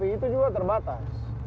itu juga terbatas